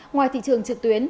ngoài thị trường trực tuyến